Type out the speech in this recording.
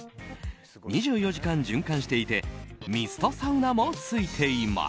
２４時間循環していてミストサウナもついています。